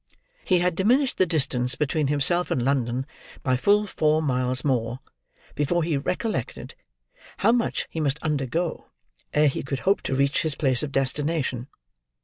He had diminished the distance between himself and London by full four miles more, before he recollected how much he must undergo ere he could hope to reach his place of destination.